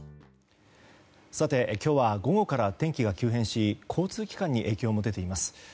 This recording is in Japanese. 今日は午後から天気が急変し交通機関に影響も出ています。